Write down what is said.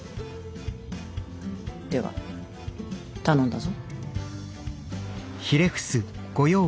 では頼んだぞ。